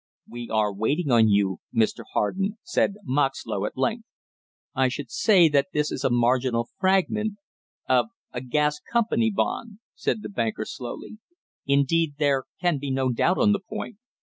"We are waiting on you, Mr. Harden," said Moxlow at length. "I should say that this is a marginal fragment of a Gas Company bond," said the banker slowly. "Indeed there can be no doubt on the point.